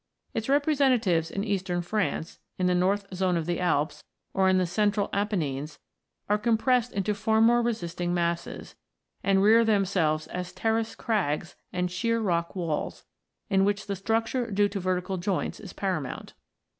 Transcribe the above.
Its representatives in eastern France, in the north zone of the Alps, or in the central Apennines, are compressed into far more resisting masses, and rear themselves as terraced crags and sheer rock walls, in which the structure due to vertical joints is paramount.